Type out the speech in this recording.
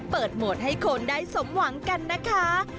โหมดให้คนได้สมหวังกันนะคะ